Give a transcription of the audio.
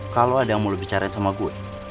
kalau ada yang mau lo bicara sama gue